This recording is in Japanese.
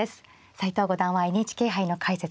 斎藤五段はＮＨＫ杯の解説